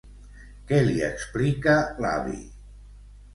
Què li explica l'avi?